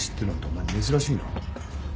お前珍しいな。